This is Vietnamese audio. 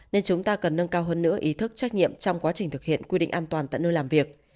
nên chúng ta cần nâng cao hơn nữa ý thức trách nhiệm trong quá trình thực hiện quy định an toàn tại nơi làm việc